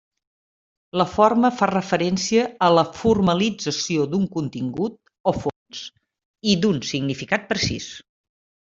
La forma fa referència a la formalització d'un contingut, o fons, i d'un significat precís.